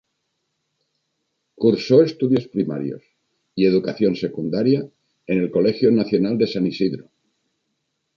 Cursó estudios primarios y educación secundaria en el Colegio Nacional de San Isidro.